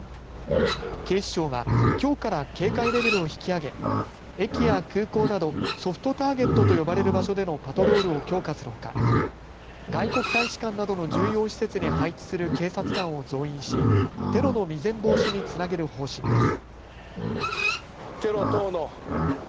警視庁はきょうから警戒レベルを引き上げ駅や空港などソフトターゲットと呼ばれる場所でのパトロールを強化するほか外国大使館などの重要施設に配置する警察官を増員し、テロの未然防止につなげる方針です。